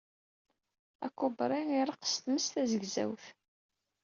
Akubri iṛeqq s tmes tazegzawt.